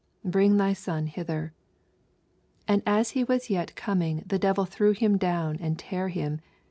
Bring thy son hither. 42 And as he was yet a tjoming, the devil threw him down, and tare him.